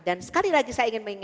dan sekali lagi saya ingin menerima